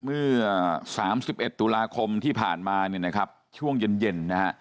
เมื่อ๓๑ตุลาคมที่ผ่านมาช่วงเย็นนะฮะ